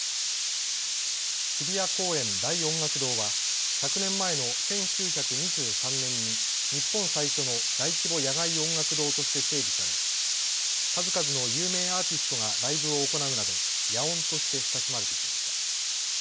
日比谷公園大音楽堂は１００年前の１９２３年に日本最初の大規模野外音楽堂として整備され数々の有名アーティストがライブを行うなど野音として親しまれてきました。